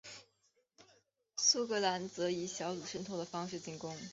苏格兰则以小组渗透的方式进攻。